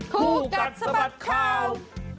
คู่กัดสะบัดข่าว